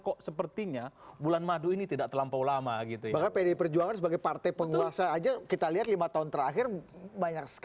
kok sepertinya bulan madu ini tidak terlampau lama gitu ya bahkan pd perjuangan sebagai partai penguasa aja kita lihatnya ini juga berarti itu adalah perjuangan yang terjadi